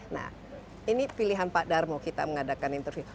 nah ini pilihan pak darmo kita mengadakan interview